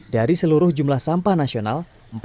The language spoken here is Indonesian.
dari seluruh jumlah sampah nasional